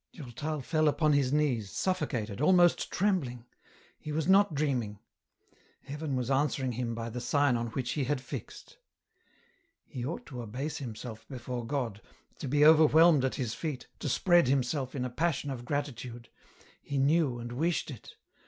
Durtal fell upon his knees, suffocated, almost trembling : he was not dreaming ! Heaven was answering him by the sign on which he had fixed. He ought to abase himself before God, to be overwhelmed at His feet, to spread himseL in a passion of gratitude ; he knew and wished it !